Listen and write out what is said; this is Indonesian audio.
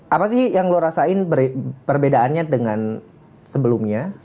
apa sih yang lo rasain perbedaannya dengan sebelumnya